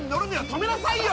止めなさいよ！